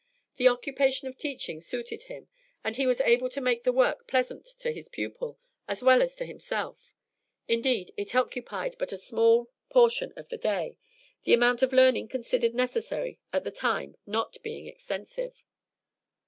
The occupation of teaching suited him, and he was able to make the work pleasant to his pupil as well as to himself; indeed, it occupied but a small portion of the day, the amount of learning considered necessary at the time not being extensive.